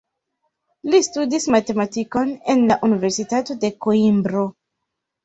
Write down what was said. Li studis matematikon en la Universitato de Koimbro.